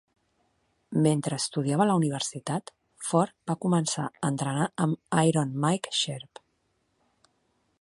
Mentre estudiava a la universitat, Ford va començar a entrenar amb "Iron" Mike Sharpe.